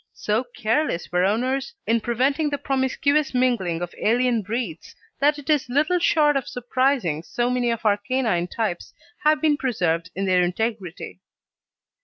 So careless were owners in preventing the promiscuous mingling of alien breeds that it is little short of surprising so many of our canine types have been preserved in their integrity.